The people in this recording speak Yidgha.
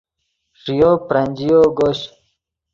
ݰییو برنجییو گوشچ